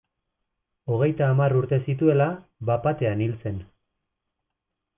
Hogeita hamar urte zituela, bat-batean hil zen.